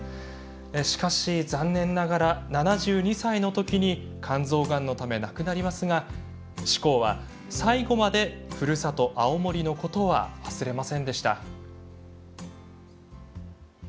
しかし残念ながら７２歳の時に肝臓がんのため亡くなりますが志功は最後までふるさと青森のことは忘れませんでした。